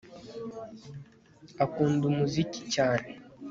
akunda umuziki cyane